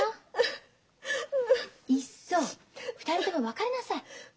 いっそ２人とも別れなさい。